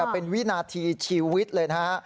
เป็นวินาทีชีวิตเลยนะฮะ